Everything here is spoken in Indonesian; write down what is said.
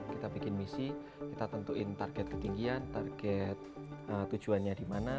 kita bikin misi kita tentuin target ketinggian target tujuannya di mana